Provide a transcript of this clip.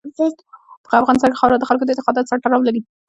په افغانستان کې خاوره د خلکو د اعتقاداتو سره تړاو لري.